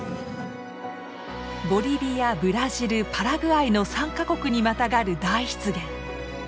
ボリビアブラジルパラグアイの３か国にまたがる大湿原。